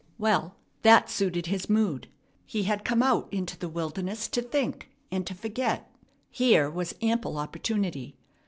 Well, that suited his mood. He had come out into the wilderness to think and to forget. Here was ample opportunity.